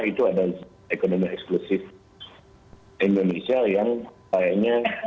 itu adalah ekonomi eksklusif indonesia yang kayaknya